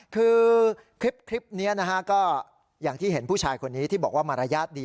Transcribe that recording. คือคลิปนี้นะฮะก็อย่างที่เห็นผู้ชายคนนี้ที่บอกว่ามารยาทดี